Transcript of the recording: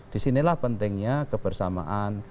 di sinilah pentingnya kebersamaan